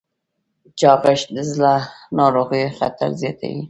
چاغښت د زړه ناروغیو خطر زیاتوي.